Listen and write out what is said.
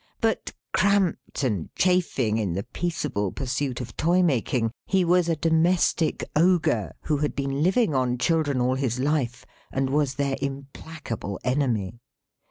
But, cramped and chafing in the peaceable pursuit of toy making, he was a domestic Ogre, who had been living on children all his life, and was their implacable enemy.